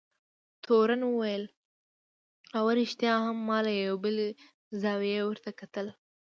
تورن وویل: اوه، رښتیا هم، ما له یوې بلې زاویې ورته کتل.